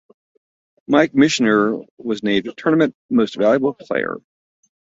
Mike Michener was named Tournament Most Valuable Player.